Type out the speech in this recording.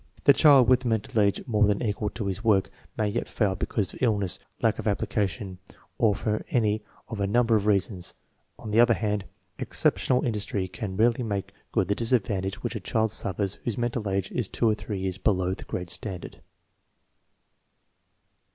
The child with mental age more than equal to his work may yet fail because of illness, lack of application, or for any of a number of reasons. On the other hand, exceptional industry can rarely make good the disadvantage which a child suffers whose mental age is two or three years below the grade standard.